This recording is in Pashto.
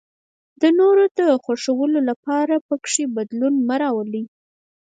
د نورو د خوښولو لپاره پکې بدلون مه راولئ.